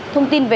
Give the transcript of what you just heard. thông tin về